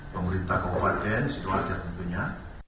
pemerintah kabupaten sidoarjo tentunya